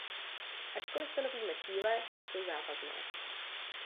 Ačkoli stanovíme cíle, nejsou závazné.